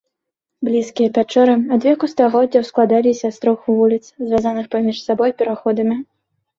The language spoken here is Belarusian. Блізкія пячоры адвеку стагоддзяў складаліся з трох вуліц, звязаных паміж сабой пераходамі.